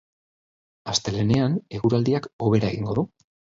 Astelehenean, eguraldiak hobera egingo du.